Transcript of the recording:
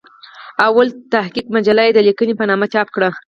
او لومړۍ تحقيقي مجله يې د "ليکنې" په نامه چاپ کړه